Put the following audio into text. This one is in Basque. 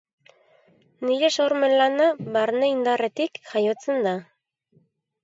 Nire sormen-lana barne-indarretik jaiotzen da.